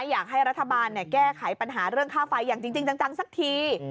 อยากให้รัฐบาลแก้ไขปัญหาเรื่องค่าไฟอย่างจริงจังสักที